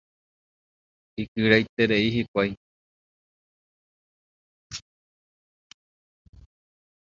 Ikyraiterei hikuái.